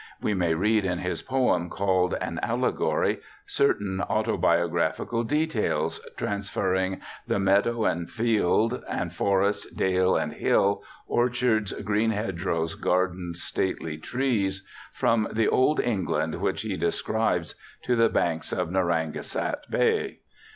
We may read in his poem called Aft Allegory, certain autobiographical details, transferring the Meadow and field, and forest, dale, and hill; Orchards, green hedgerows, gardens, stately trees, from the old England which he describes to the banks of Narragansett Bay.